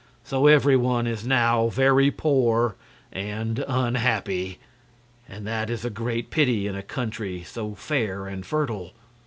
So every one is now very poor and unhappy, and that is a great pity in a country so fair and fertile."